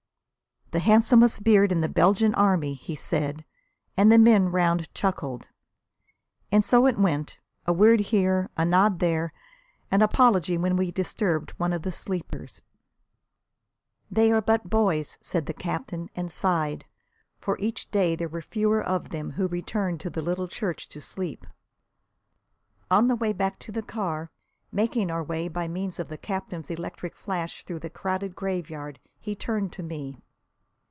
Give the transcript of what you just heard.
"The handsomest beard in the Belgian Army!" he said, and the men round chuckled. And so it went, a word here, a nod there, an apology when we disturbed one of the sleepers. "They are but boys," said the Captain, and sighed. For each day there were fewer of them who returned to the little church to sleep. On the way back to the car, making our way by means of the Captain's electric flash through the crowded graveyard, he turned to me.